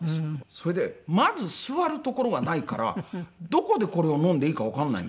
それでまず座る所がないからどこでこれを飲んでいいかわからないんですよ。